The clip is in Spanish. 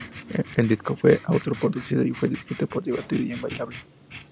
El disco fue autoproducido y fue descrito como "divertido y bailable".